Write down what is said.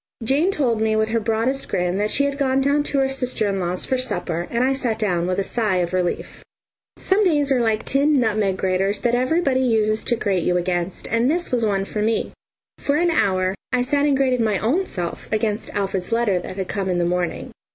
Jane told me with her broadest grin that she had gone down to her sister in law's for supper, and I sat down with a sigh of relief. Some days are like tin nutmeg graters that everybody uses to grate you against, and this was one for me. For an hour I sat and grated my own self against Alfred's letter that had come in the morning.